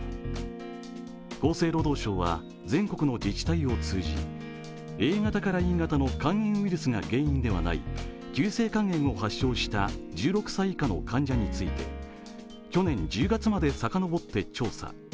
厚生労働省は全国の自治体を通じＡ型からＥ型の肝炎ウイルスが原因ではない急性肝炎を発症した１６歳以下の患者について去年１０月まで遡って調査。